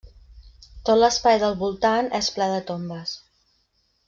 Tot l'espai del voltant és ple de tombes.